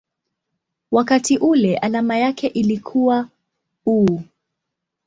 wakati ule alama yake ilikuwa µµ.